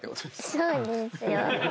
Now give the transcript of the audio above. そうですよ。